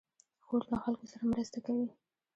خور له خلکو سره مرسته کوي.